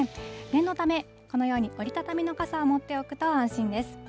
念のため、このように折り畳みの傘を持っておくと安心です。